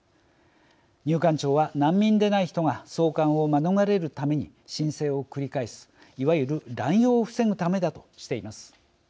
入管庁は、難民でない人が送還を免れるために申請を繰り返す、いわゆる濫用を防ぐためだとしています。